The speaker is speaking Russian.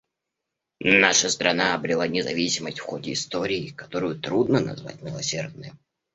Наша страна обрела независимость в ходе истории, которую трудно назвать милосердной.